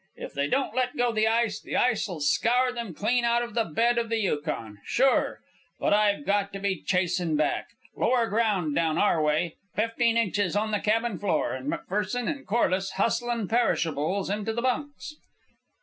If they don't let go the ice, the ice'll scour them clean out of the bed of the Yukon. Sure! But I've got to be chasin' back. Lower ground down our way. Fifteen inches on the cabin floor, and McPherson and Corliss hustlin' perishables into the bunks."